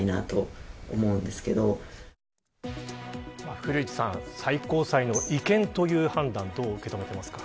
古市さん、最高裁の違憲という判断、どう受け止めていますか。